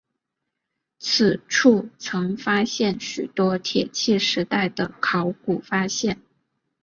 此处曾发现许多铁器时代的考古发现。